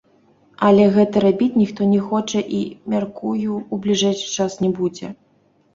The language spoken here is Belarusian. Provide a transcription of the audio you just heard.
Але гэта рабіць ніхто не хоча і, мяркую, у бліжэйшы час не будзе.